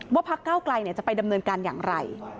ว่าพักก้าวใกล่เนี่ยจะไปดำเนินการอย่างไร